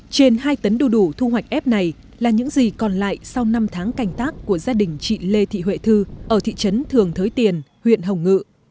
trên hai tấn đu đủ thu hoạch ép này là những gì còn lại sau năm tháng cành tác của gia đình chị lê thị huệ thư ở thị trấn thường thới tiền huyện hồng ngự